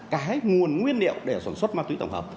cái nguồn nguyên liệu để sản xuất ma túy tổng hợp